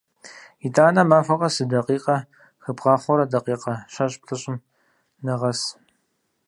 ИтӀанэ махуэ къэс зы дакъикъэ хэбгъахъуэурэ, дакъикъэ щэщӀ-плӀыщӀым нэгъэс.